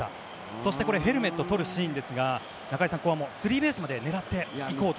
そして、これヘルメットを取るシーンですが中居さん、スリーベースまで狙っていこうと。